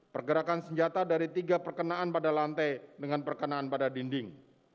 pergerakan senjata dari tiga perkenaan pada lantai dengan perkenaan pada dinding